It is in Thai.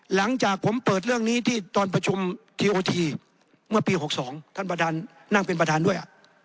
หลังจากผมเปิดเรื่องนี้ที่ตอนประชุมทีโอทีเมื่อปี๖๒ท่านประธานนั่งเป็นประธานด้วย